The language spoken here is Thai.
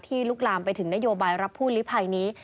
ลุกลามไปถึงนโยบายรับผู้ลิภัยนี้